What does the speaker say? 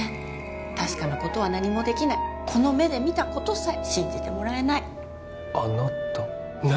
確かなことは何もできないこの目で見たことさえ信じてもらえないあなた何？